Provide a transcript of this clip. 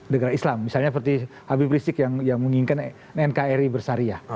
negara islam misalnya seperti habib rizik yang menginginkan nkri bersariah